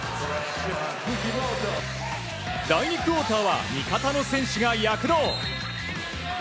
第２クオーターは味方の選手が躍動。